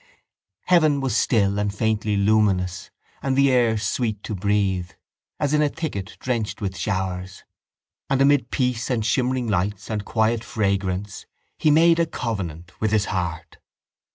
Heaven was still and faintly luminous and the air sweet to breathe, as in a thicket drenched with showers; and amid peace and shimmering lights and quiet fragrance he made a covenant with his heart.